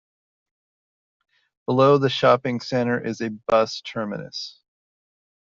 Below the shopping centre is a bus terminus.